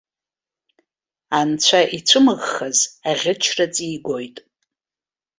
Анцәа ицәымӷхаз аӷьычра ҵигоит.